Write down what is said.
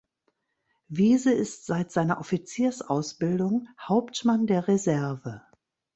Wiese ist seit seiner Offiziersausbildung Hauptmann der Reserve.